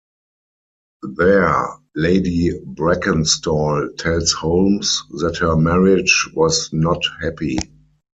There, Lady Brackenstall tells Holmes that her marriage was not happy.